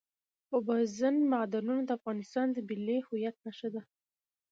اوبزین معدنونه د افغانستان د ملي هویت نښه ده.